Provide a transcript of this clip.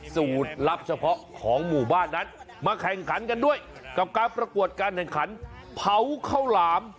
สูตรลับเฉพาะของหมู่บ้านนั้นมาแข่งขันกันด้วยกับการประกวดการแข่งขันเผาข้าวหลาม